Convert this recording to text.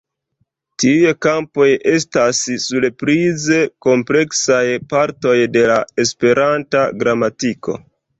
Tiuj kampoj estas surprize kompleksaj partoj de la Esperanta gramatiko.